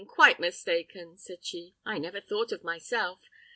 quite mistaken!" said she, "I never thought of myself.